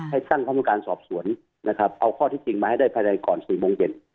ให้สร้างความรู้การสอบสวนเอาข้อที่จริงมาให้ได้ภายใดก่อนสู่มงเวียน